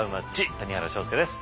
谷原章介です。